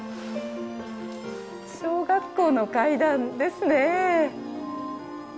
小学校の階段ですね。